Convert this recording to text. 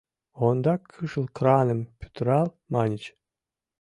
Ондак кӱшыл краным пӱтырал, маньыч.